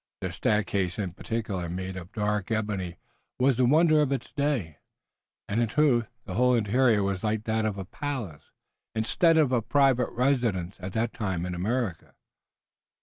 The staircase in particular made of dark ebony was the wonder of its day, and, in truth, the whole interior was like that of a palace, instead of a private residence, at that time, in America.